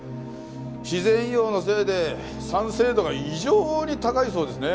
自然硫黄のせいで酸性度が異常に高いそうですね。